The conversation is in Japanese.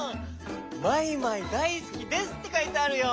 「まいまいだいすきです」ってかいてあるよ。